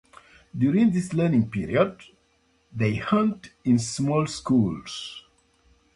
During this learning period, they hunt in small schools.